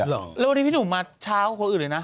แล้ววันนี้พี่หนุ่มมาช้ากว่าคนอื่นเลยนะ